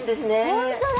本当だ！